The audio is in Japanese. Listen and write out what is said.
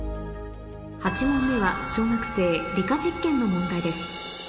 ８問目は小学生理科実験の問題です